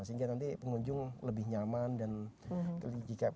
sehingga nanti pengunjung lebih nyaman dan jikap